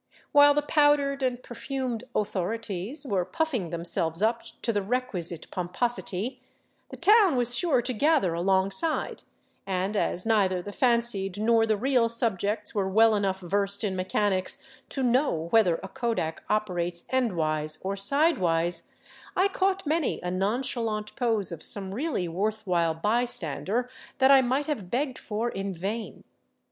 While the powdered and perfumed '' authorities " were puffing themselves up to the requisite pomposity, the town was sure to gather alongside, and as neither the fancied nor the real subjects were well enough versed in mechanics to know whether a kodak operates endwise or sidewise, I caught many a nonchalant pose of some really worthwhile bystander that I might have begged for in vain.